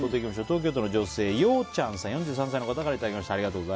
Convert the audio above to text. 東京都の女性、４３歳の方からいただきました。